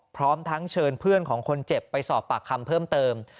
พร้อมทั้งเชิญเพื่อนของคนเจ็บไปสอบปากคำเพิ่มเติม